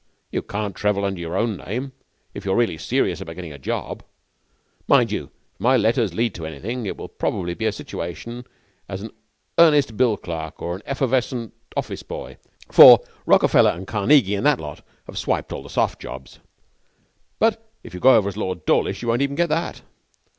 'You can't travel under your own name if you are really serious about getting a job. Mind you, if my letters lead to anything it will probably be a situation as an earnest bill clerk or an effervescent office boy, for Rockefeller and Carnegie and that lot have swiped all the soft jobs. But if you go over as Lord Dawlish you won't even get that.